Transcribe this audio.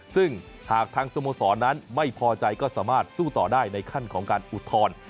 ซึ่งหากทางสโมสรนั้นไม่พอใจก็สามารถสู้ต่อได้ในขั้นของการอุทธรณ์